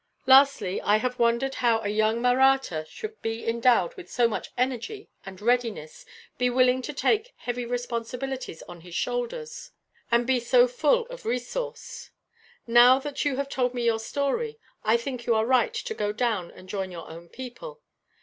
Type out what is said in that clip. Lastly, I have wondered how a young Mahratta should be endowed with so much energy and readiness, be willing to take heavy responsibilities on his shoulders, and to be so full of resource. "Now that you have told me your story, I think you are right to go down and join your own people.